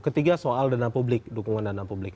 ketiga soal dana publik dukungan dana publik